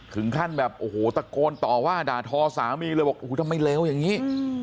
ถึงขั้นแบบโอ้โหตะโกนต่อว่าด่าทอสามีเลยบอกโอ้โหทำไมเลวอย่างนี้